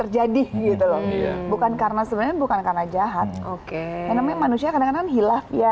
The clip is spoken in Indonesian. jadi gitu loh bukan karena sebenarnya bukan karena jahat oke namanya manusia kadang kadang hilaf ya